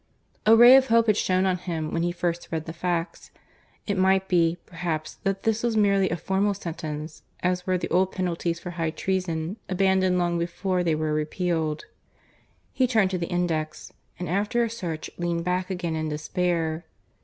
A ray of hope had shone on him when he first read the facts. It might be, perhaps, that this was merely a formal sentence, as were the old penalties for high treason abandoned long before they were repealed. He turned to the index; and after a search leaned back again in despair.